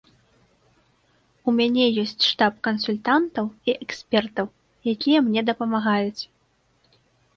У мяне ёсць штаб кансультантаў і экспертаў, якія мне дапамагаюць.